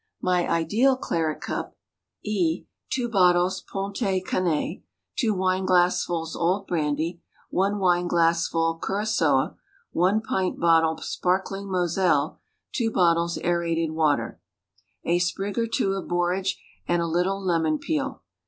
My ideal claret cup: E. 2 bottles Pontet Canet. 2 wine glassfuls old brandy. 1 wine glassful curaçoa. 1 pint bottle sparkling moselle. 2 bottles aerated water. A sprig or two of borage, and a little lemon peel.